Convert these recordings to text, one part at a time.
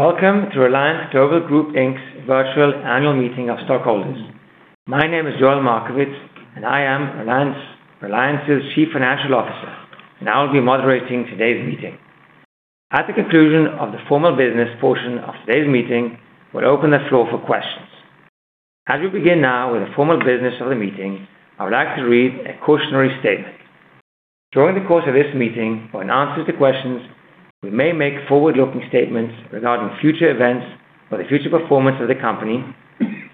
Welcome to Reliance Global Group Inc.'s virtual annual meeting of stockholders. My name is Joel Markovits, and I am Reliance's chief financial officer, and I will be moderating today's meeting. At the conclusion of the formal business portion of today's meeting, we'll open the floor for questions. As we begin now with the formal business of the meeting, I would like to read a cautionary statement. During the course of this meeting or in answers to questions, we may make forward-looking statements regarding future events or the future performance of the company.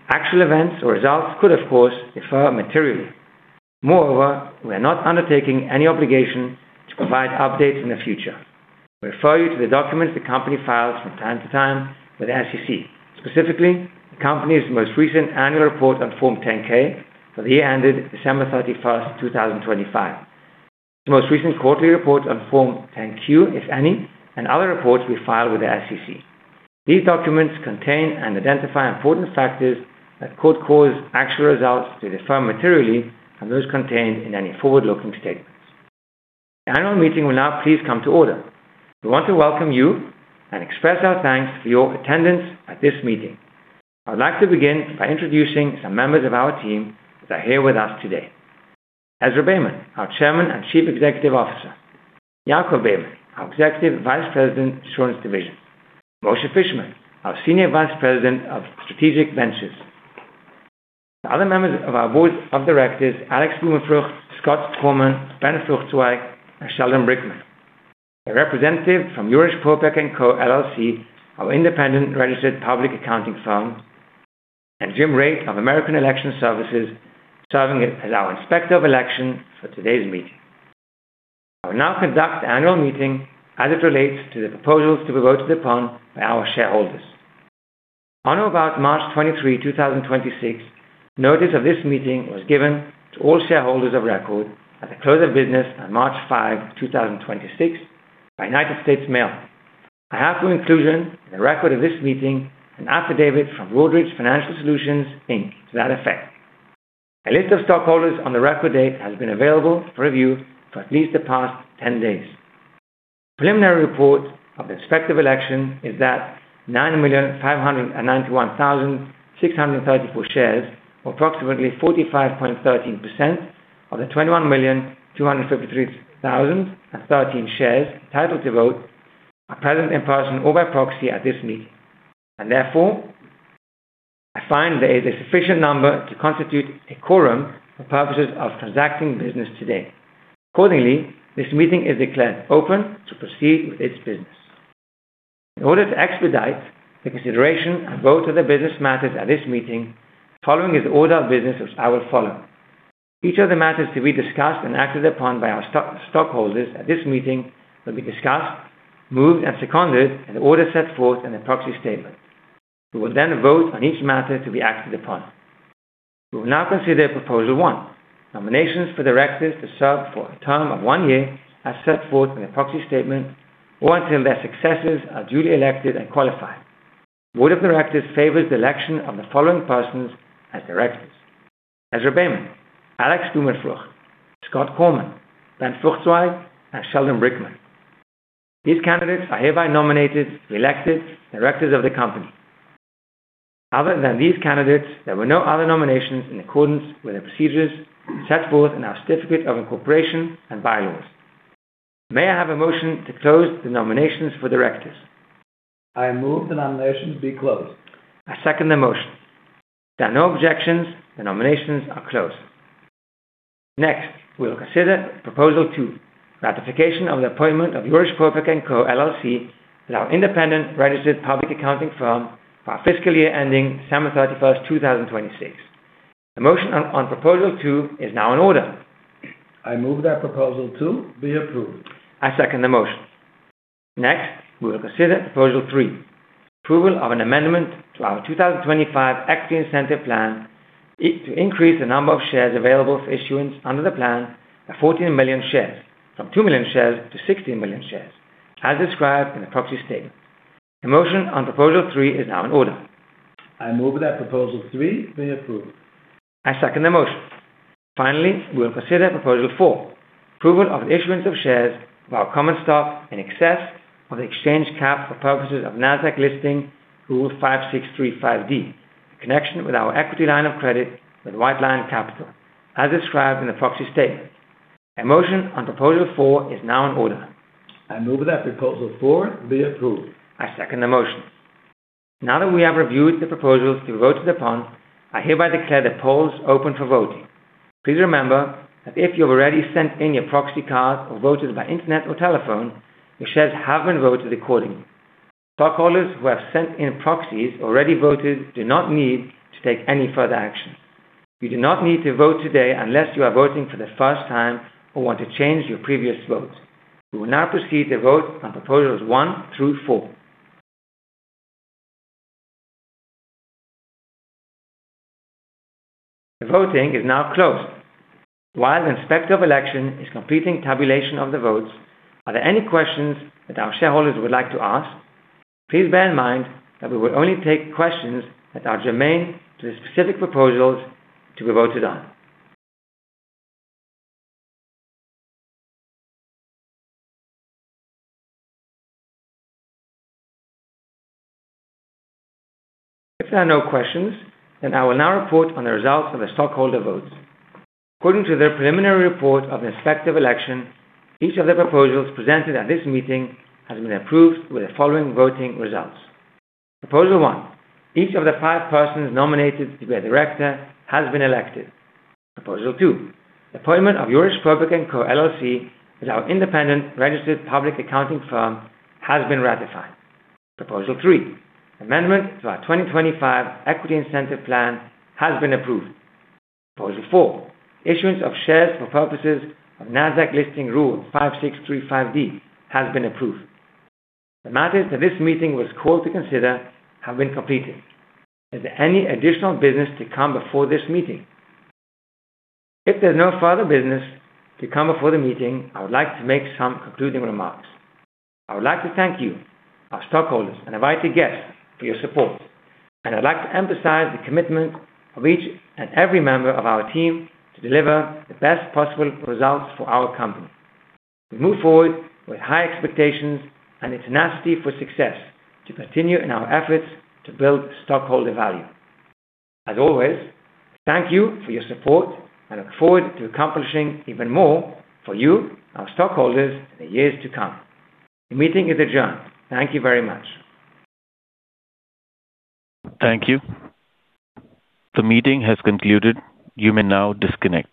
Actual events or results could, of course, differ materially. Moreover, we are not undertaking any obligation to provide updates in the future. We refer you to the documents the company files from time to time with the SEC. Specifically, the company's most recent annual report on Form 10-K for the year ended December 31st, 2025. The most recent quarterly report on Form 10-Q, if any, and other reports we file with the SEC. These documents contain and identify important factors that could cause actual results to differ materially from those contained in any forward-looking statements. The annual meeting will now please come to order. We want to welcome you and express our thanks for your attendance at this meeting. I'd like to begin by introducing some members of our team that are here with us today. Ezra Beyman, our Chairman and Chief Executive Officer. Yaakov Beyman, our Executive Vice President, Insurance Division. Moshe Fishman, our Senior Vice President of Strategic Ventures. The other members of our board of directors, Alex Blumenfrucht, Scott Korman, Ben Fruchtzweig, and Sheldon Brickman. A representative from Urish Popeck & Co., LLC, our independent registered public accounting firm. James J. Raitt of American Election Services, LLC, serving as our inspector of election for today's meeting. I will now conduct the annual meeting as it relates to the proposals to be voted upon by our shareholders. On or about March 23, 2026, notice of this meeting was given to all shareholders of record at the close of business on March 5, 2026 by U.S. mail. I have for inclusion in the record of this meeting an affidavit from Broadridge Financial Solutions Inc. to that effect. A list of stockholders on the record date has been available for review for at least the past 10 days. Preliminary report of the inspector election is that 9,591,634 shares, or approximately 45.13% of the 21,253,013 shares entitled to vote, are present in person or by proxy at this meeting. Therefore, I find there is a sufficient number to constitute a quorum for purposes of transacting business today. Accordingly, this meeting is declared open to proceed with its business. In order to expedite the consideration and vote of the business matters at this meeting, following is the order of business as I will follow. Each of the matters to be discussed and acted upon by our stockholders at this meeting will be discussed, moved, and seconded in the order set forth in a proxy statement. We will vote on each matter to be acted upon. We will now consider Proposal 1, nominations for directors to serve for a term of one year, as set forth in a proxy statement, or until their successors are duly elected and qualified. Board of directors favors the election of the following persons as directors. Ezra Beyman, Alex Blumenfrucht, Scott Korman, Ben Fruchtzweig, and Sheldon Brickman. These candidates are hereby nominated and elected directors of the company. Other than these candidates, there were no other nominations in accordance with the procedures set forth in our certificate of incorporation and bylaws. May I have a motion to close the nominations for directors? I move the nominations be closed. I second the motion. There are no objections. The nominations are closed. Next, we will consider Proposal 2, ratification of the appointment of Urish Popeck & Co., LLC as our independent registered public accounting firm for our fiscal year ending December 31st, 2026. The motion on Proposal 2 is now in order. I move that Proposal 2 be approved. I second the motion. Next, we will consider Proposal 3, approval of an amendment to our 2025 Equity Incentive Plan to increase the number of shares available for issuance under the plan by 14 million shares, from 2 million shares to 16 million shares, as described in the proxy statement. The motion on Proposal 3 is now in order. I move that Proposal 3 be approved. I second the motion. Finally, we will consider Proposal 4, approval of an issuance of shares of our common stock in excess of the exchange cap for purposes of NASDAQ Listing Rule 5635(d), connection with our equity line of credit with White Lion Capital, as described in the proxy statement. A motion on Proposal 4 is now in order. I move that Proposal 4 be approved. I second the motion. Now that we have reviewed the proposals to be voted upon, I hereby declare the polls open for voting. Please remember that if you've already sent in your proxy card or voted by internet or telephone, your shares have been voted accordingly. Stockholders who have sent in proxies, already voted, do not need to take any further action. You do not need to vote today unless you are voting for the first time or want to change your previous vote. We will now proceed to vote on Proposals 1 through 4. The voting is now closed. While the inspector of election is completing tabulation of the votes, are there any questions that our shareholders would like to ask? Please bear in mind that we will only take questions that are germane to the specific proposals to be voted on. If there are no questions, I will now report on the results of the stockholder votes. According to the preliminary report of the inspector of election, each of the proposals presented at this meeting has been approved with the following voting results. Proposal 1, each of the five persons nominated to be a director has been elected. Proposal 2, the appointment of Urish Popeck & Co., LLC as our independent registered public accounting firm has been ratified. Proposal 3, amendment to our 2025 Equity Incentive Plan has been approved. Proposal 4, issuance of shares for purposes of NASDAQ Listing Rule 5635(d) has been approved. The matters that this meeting was called to consider have been completed. Is there any additional business to come before this meeting? If there's no further business to come before the meeting, I would like to make some concluding remarks. I would like to thank you, our stockholders and invited guests, for your support. I'd like to emphasize the commitment of each and every member of our team to deliver the best possible results for our company. We move forward with high expectations and a tenacity for success to continue in our efforts to build stockholder value. As always, thank you for your support and look forward to accomplishing even more for you, our stockholders, in the years to come. The meeting is adjourned. Thank you very much. Thank you. The meeting has concluded. You may now disconnect.